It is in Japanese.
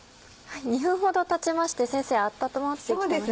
２分ほどたちまして先生温まってきましたね。